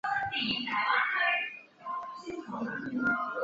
蒙特内哥罗公国的首都位于采蒂涅。